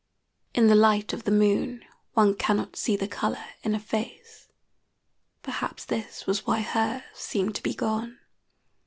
In the light of the moon one cannot see the color in a face. Perhaps this was why hers seemed to be gone.